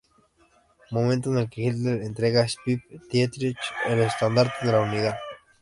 Momento en el que Hitler entrega a Sepp Dietrich el estandarte de la Unidad.